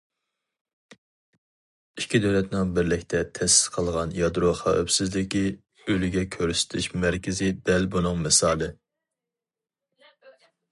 ئىككى دۆلەتنىڭ بىرلىكتە تەسىس قىلغان يادرو خەۋپسىزلىكى ئۈلگە كۆرسىتىش مەركىزى دەل بۇنىڭ مىسالى.